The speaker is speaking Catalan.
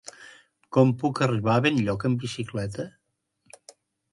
Com puc arribar a Benlloc amb bicicleta?